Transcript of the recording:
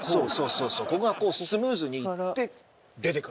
そうそうここがスムーズにいって出ていく。